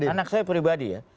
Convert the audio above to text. anak saya pribadi ya